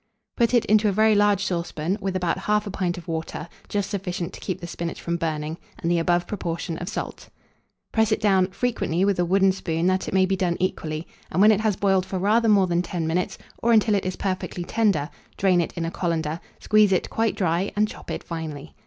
Put it into a very large saucepan, with about 1/2 pint of water, just sufficient to keep the spinach from burning, and the above proportion of salt. Press it down frequently with a wooden spoon, that it may be done equally; and when it has boiled for rather more than 10 minutes, or until it is perfectly tender, drain it in a colander, squeeze it quite dry, and chop it finely.